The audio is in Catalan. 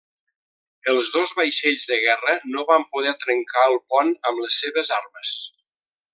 Els dos vaixells de guerra no van poder trencar el pont amb les seves armes.